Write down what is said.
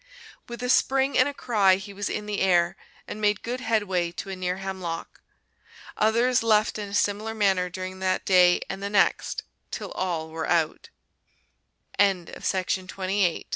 With a spring and a cry he was in the air, and made good headway to a near hemlock. Others left in a similar manner during that day and the next, till all were out. THE DOWNY WOODPECKER The bird that s